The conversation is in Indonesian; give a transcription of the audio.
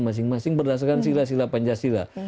masing masing berdasarkan sila sila pancasila